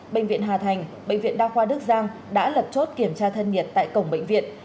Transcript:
bệnh viện hà thành bệnh viện đa khoa đức giang đã lập chốt kiểm tra thân nhiệt tại cổng bệnh viện